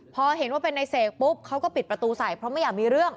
พอเห็นว่าเป็นในเสกปุ๊บเขาก็ปิดประตูใส่เพราะไม่อยากมีเรื่อง